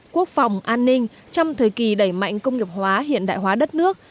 quốc phòng an ninh trong thời kỳ đẩy mạnh công nghiệp hóa hiện đại hóa đất nước